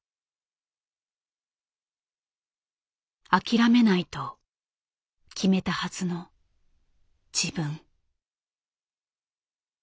諦めないと決めたはずの自分。